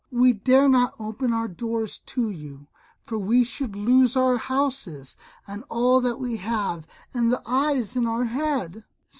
We dare not open our doors to you, for we should lose our houses and all that we have, and the eyes in our head.